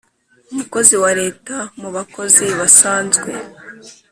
umukozi wa leta mu bakozi ba sanzwe